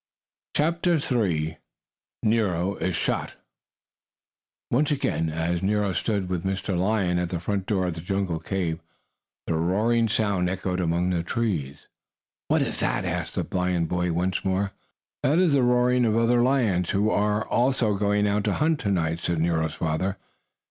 CHAPTER III NERO IS SHOT Once again, as Nero stood with Mr. Lion at the front door of the jungle cave, the roaring sound echoed among the trees. "What is that?" asked the boy lion once more. "That is the roaring of other lions, who are also going out to hunt to night," said Nero's father.